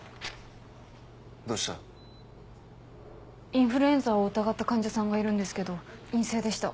インフルエンザを疑った患者さんがいるんですけど陰性でした。